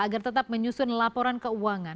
agar tetap menyusun laporan keuangan